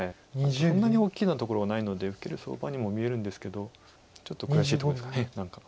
そんなに大きなところはないので受ける相場にも見えるんですけどちょっと悔しいとこですか何か。